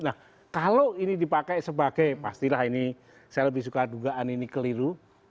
nah kalau ini dipakai sebagai pastilah ini saya lebih suka dugaan ini keliru